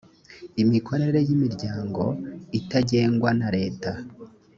imikorere y ‘imiryango itagengwa na leta.